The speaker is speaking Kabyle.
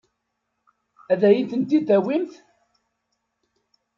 Ad iyi-tent-id-tawimt?